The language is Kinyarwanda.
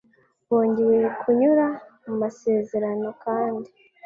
bongeye kunyura mu masezerano kandi